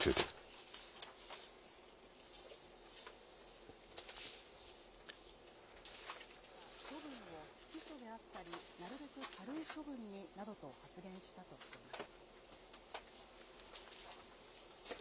また検事は、なんとか処分を不起訴であったりなるべく軽い処分になどと発言したとしています。